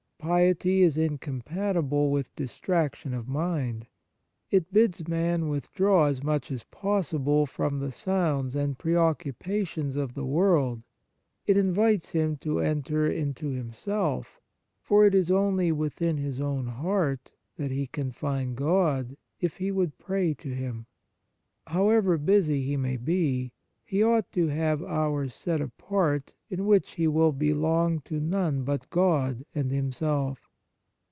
Piety is incompatible with distraction of mind. It bids man withdraw as much as possible from the sounds and preoccupations of the world ; it 1 08 The Fruits of Piety invites him to enter into himself, for it is only within his own heart that he can find God, if he would pray to Him. However busy he may be, he ought to have hours set apart in which he will belong to none but God and himself.